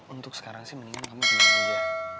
untuk sekarang sih mendingan kamu tenang aja